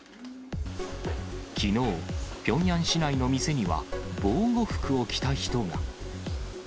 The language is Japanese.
きのう、ピョンヤン市内の店には、防護服を着た人が。